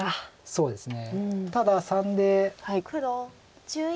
そうですね